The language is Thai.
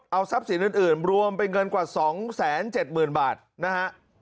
เอาทรัพย์สินอื่นรวมเป็นเงินกว่า๒๗๐๐๐บาทนะฮะ